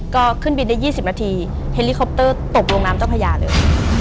ก็ขึ้นบินได้๒๐นาทีเฮลิคอปเตอร์ตกลงน้ำเจ้าพญาเลย